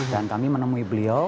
dan kami menemui beliau